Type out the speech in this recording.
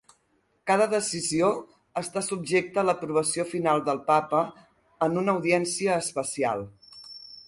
Cada decisió està subjecta a l'aprovació final del Papa en una audiència especial.